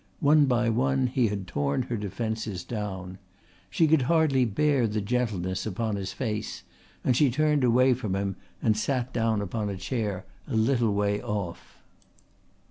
One by one he had torn her defences down. She could hardly bear the gentleness upon his face and she turned away from him and sat down upon a chair a little way off.